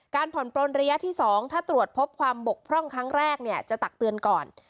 ผ่อนปลนระยะที่๒ถ้าตรวจพบความบกพร่องครั้งแรกเนี่ยจะตักเตือนก่อน